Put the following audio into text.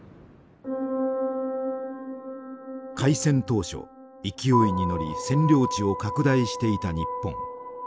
開戦当初勢いに乗り占領地を拡大していた日本。